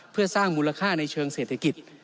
เพื่อสร้างมูลค่าในเชิงเศรษฐกิจ